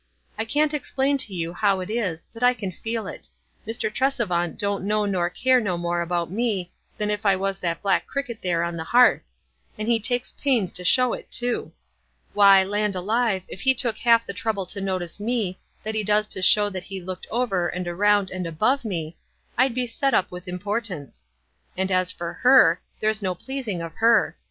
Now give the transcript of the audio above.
I can't explain to you how it is, but I can feel it. Mr. Tresevant don't know nor care no more about me than if I was that black cricket there on the hearth ; and he takes pains to show it, too. Why, land alive, if he took half the trouble to notice me, that he does to show that he looked over, and around, and above me, I'd be set up with importance; and as for her, there's no pleasing of her.